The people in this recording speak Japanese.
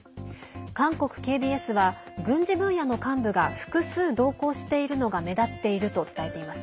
韓国ＫＢＳは軍事分野の幹部が複数同行しているのが目立っていると伝えています。